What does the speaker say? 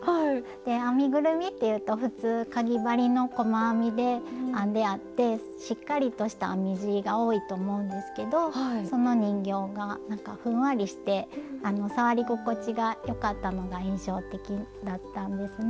編みぐるみっていうと普通かぎ針の細編みで編んであってしっかりとした編み地が多いと思うんですけどその人形がなんかふんわりして触り心地がよかったのが印象的だったんですね。